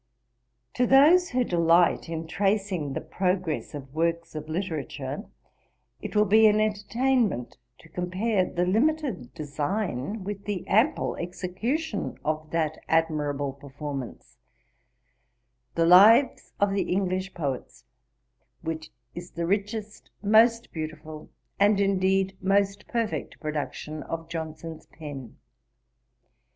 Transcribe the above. To those who delight in tracing the progress of works of literature, it will be an entertainment to compare the limited design with the ample execution of that admirable performance, The Lives of the English Poets, which is the richest, most beautiful and indeed most perfect production of Johnson's pen.